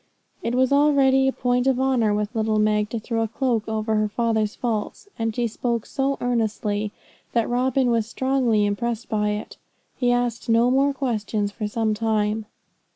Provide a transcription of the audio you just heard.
It was already a point of honour with little Meg to throw a cloak over her father's faults; and she spoke so earnestly that Robin was strongly impressed by it. He asked no more questions for some time.